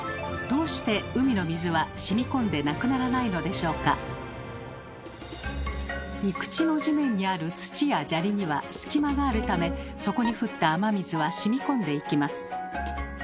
しかし陸地の地面にある土や砂利には隙間があるためそこに降った雨水はしみこんでいきます。